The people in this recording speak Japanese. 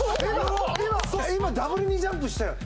今、ダブルにジャンプしたよね？